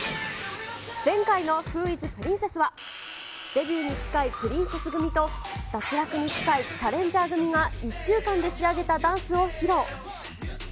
前回のＷｈｏｉｓＰｒｉｎｃｅｓｓ？は、デビューに近いプリンセス組と脱落に近いチャレンジャー組が１週間で仕上げたダンスを披露。